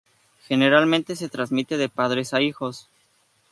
Generalmente se trasmite de padres a hijos.